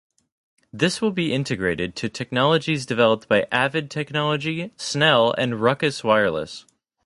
This will be integrated to technologies developed by Avid Technology, Snell, and Ruckus Wireless.